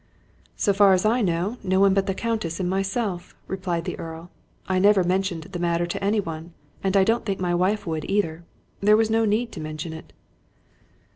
"So far as I know, no one but the Countess and myself," replied the Earl. "I never mentioned the matter to any one, and I don't think my wife would either. There was no need to mention it."